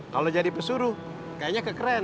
kalau jadi pesuru kayaknya kekerenan